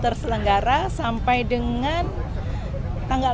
terselenggara sampai dengan tanggal